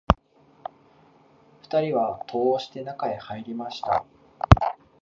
二人は戸を押して、中へ入りました